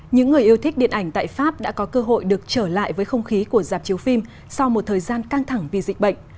những người yêu thích điện ảnh tại pháp đã có cơ hội được trở lại với không khí của dạp chiếu phim sau một thời gian căng thẳng vì dịch bệnh